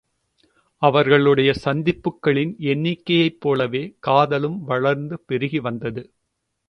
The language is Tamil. அவர்களுடைய சந்திப்புக்களின் எண்ணிக்கையைப் போலவே காதலும் வளர்ந்து பெருகி வந்தது.